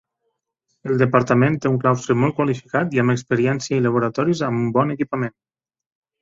El Departament té un claustre molt qualificat i amb experiència i laboratoris amb bon equipament.